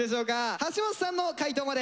橋本さんの解答まで。